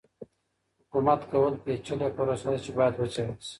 حکومت کول پېچلې پروسه ده چې بايد وڅېړل سي.